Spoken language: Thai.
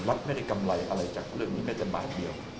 รัฐไม่ได้กำไรอะไรจากเรื่องนี้แม้แต่บาทเดียว